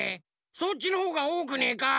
そっちのほうがおおくねえか？